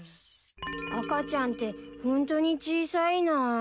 赤ちゃんってホントに小さいなぁ。